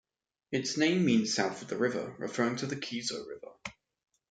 Its name means "south of the river", referring to the Kiso River.